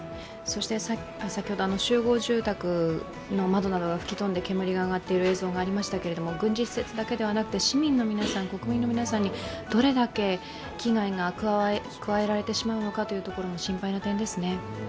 そして先ほど集合住宅の窓などが吹き飛んで煙が上がっている映像がありましたけれども、軍事施設だけではなくて市民の皆さん、国民の皆さんにどれだけ危害が加えられてしまうのか心配な点ですね。